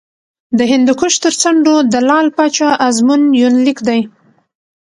د هندوکش تر څنډو د لعل پاچا ازمون یونلیک دی